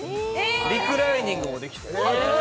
リクライニングもできたり。